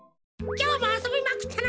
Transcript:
きょうもあそびまくったな。